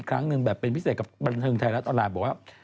อีกครั้งหนึ่งแบบเป็นพิเศษกับบรรทัยแล้วตอนหลายบอกว่า